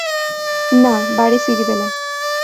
নাঃ, বাড়ি ফিরিবে না।